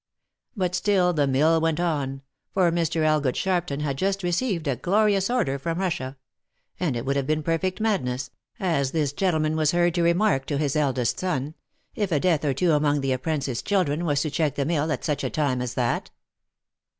But still the mill went on, for Mr. Elgood Sharpton had just received a glorious order from Russia, and it would have been perfect madness, as this gentlemen was heard to remark to his eldest son, if a death or two among the appren tice children was to check the mill at such a time as that.